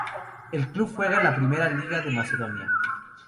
El club juega en la primera liga de Macedonia.